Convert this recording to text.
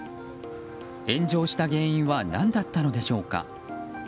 炎上した原因は何だったのでしょうか。